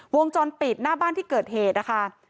วงจรปิดหน้าบ้านที่เกิดเหตุนะคะ